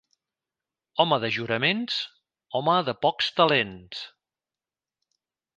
Home de juraments, home de pocs talents.